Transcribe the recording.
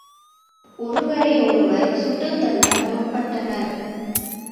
ஒருவரையொருவர் சுட்டுத்தள்ள முற்பட்டனர்.